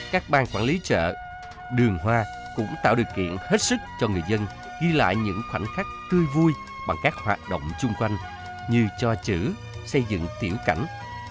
các bang quản lý chợ đường hoa cũng tạo điều kiện hết sức cho người dân ghi lại những khoảnh khắc tươi vui bằng các hoạt động chung quanh như cho chữ xây dựng tiểu cảnh